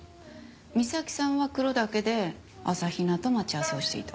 美咲さんは黒岳で朝比奈と待ち合わせをしていた。